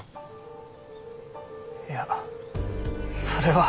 いやそれは。